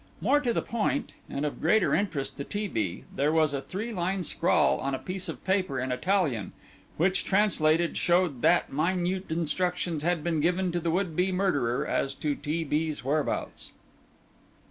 More to the point, and of greater interest to T. B., there was a three line scrawl on a piece of paper in Italian, which, translated, showed that minute instructions had been given to the would be murderer as to T. B.'s whereabouts.